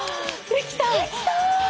できた！